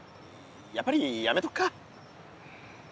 やっぱりやめとくか？